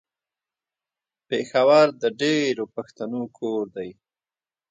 پېښور د ډېرو پښتنو کور ده.